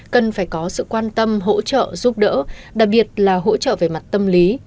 cần phải có sự quan tâm hỗ trợ giúp đỡ đặc biệt là hỗ trợ về mặt tâm lý